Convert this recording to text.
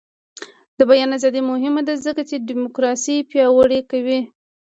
د بیان ازادي مهمه ده ځکه چې دیموکراسي پیاوړې کوي.